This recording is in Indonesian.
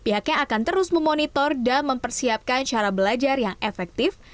harus memonitor dan mempersiapkan cara belajar yang efektif